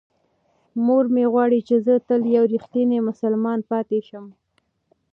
مور مې غواړي چې زه تل یو رښتینی مسلمان پاتې شم.